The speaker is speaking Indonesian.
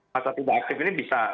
masa tidak aktif ini bisa